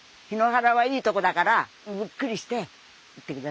檜原はいいとこだからゆっくりしていってください。